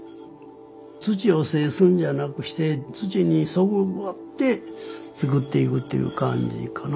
土を制すんじゃなくして土にそぐわって作っていくっていう感じかな。